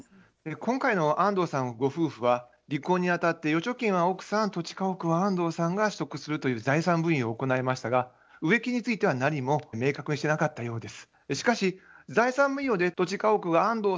今回の安藤さんご夫婦は離婚にあたって預貯金は奥さん土地家屋は安藤さんが取得するという財産分与を行いましたが植木については何も明確にしてなかったようです。